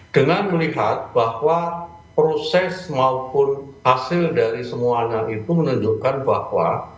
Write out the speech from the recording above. dengan melihat bahwa proses maupun hasil dari semuanya itu menunjukkan bahwa